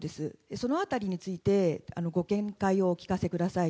そのあたりについて、ご見解をお聞かせください。